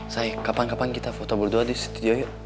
saya kapan kapan kita foto berdua di studio yuk